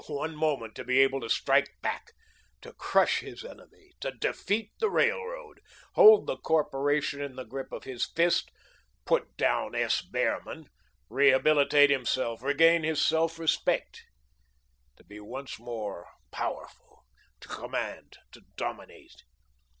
Oh for one moment to be able to strike back, to crush his enemy, to defeat the railroad, hold the Corporation in the grip of his fist, put down S. Behrman, rehabilitate himself, regain his self respect. To be once more powerful, to command, to dominate.